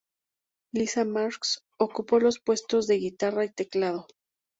Lisa Marx ocupó los puestos de guitarra y teclado.